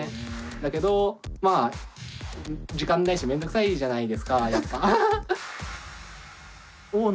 だけどまあ時間ないし面倒くさいじゃないですかやっぱ。